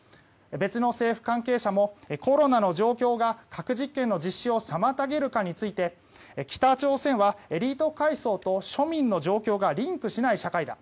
別の政府関係者もコロナの状況が核実験の実施を妨げるかについて北朝鮮はエリート階層と庶民の状況がリンクしない社会だ。